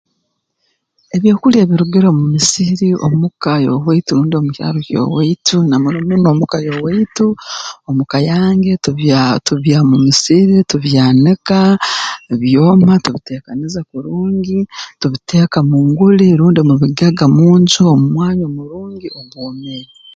Ebyokulya ebirugire omu misiri omuka y'owaitu rundi omu kyaro ky'owaitu na muno muno omuka y'owaitu omuka yange tubya tubiiha mu musiri tubyanika byoma tubiteekaniza kurungi tubiteeka mu nguli rundi mu bigega mu nju omu mwanya omurungi ogwomere